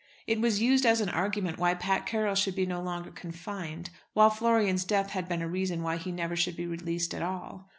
It was used as an argument why Pat Carroll should be no longer confined, while Florian's death had been a reason why he never should be released at all.